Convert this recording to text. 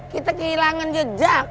kita kehilangan jejak